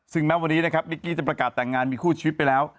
ซึ่งแม้วันนี้นะครับนิกกี้จะประกาศแต่งงานมีคู่ชีวิตไปแล้ว